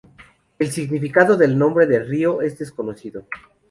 El significado del nombre de río es desconocido.